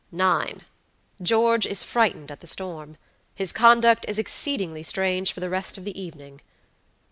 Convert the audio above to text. "9. George is frightened at the storm. His conduct is exceedingly strange for the rest of the evening."